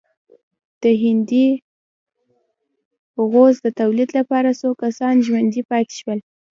د هندي غوز د تولید لپاره څو کسان ژوندي پاتې شول.